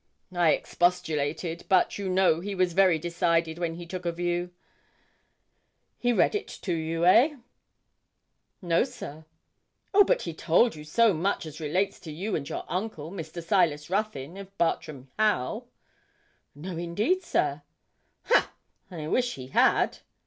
I expostulated, but you know he was very decided when he took a view. He read it to you, eh?' 'No, sir.' 'Oh, but he told you so much as relates to you and your uncle, Mr. Silas Ruthyn, of Bartram Haugh?' 'No, indeed, sir.' 'Ha! I wish he had.'